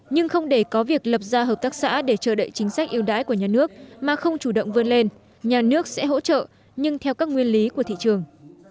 nhưng không để có việc lập ra hợp tác xã để chờ đợi chính sách yêu đái của nhà nước mà không chủ động vươn lên nhà nước sẽ hỗ trợ nhưng theo các nguyên lý của thị trường